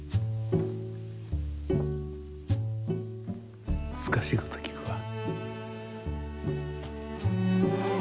むずかしいこときくわ。